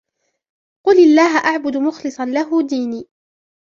قُلِ اللَّهَ أَعْبُدُ مُخْلِصًا لَهُ دِينِي